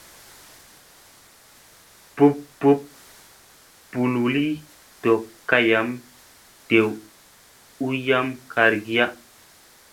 Bup bup bululi dok kam dew u yam kar giya.